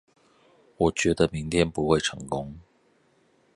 我覺得明天不會成功